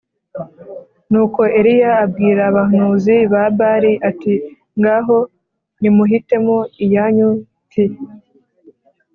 Nuko Eliya abwira abahanuzi ba Bāli ati “Ngaho nimuhitemo iyanyu mpfi